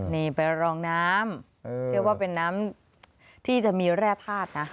นี่ไปรองน้ำเชื่อว่าเป็นน้ำที่จะมีแร่ธาตุนะ